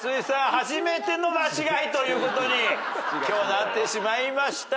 初めての間違いということに今日なってしまいました。